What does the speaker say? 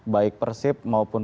baik persib maupun